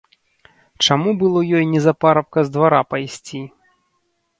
Чаму было ёй не за парабка з двара пайсці.